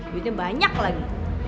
duitnya banyak lagi